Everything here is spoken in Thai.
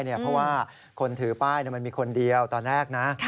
เพราะว่าคนถือป้ายมันมีคนเดียวตอนแรกนะ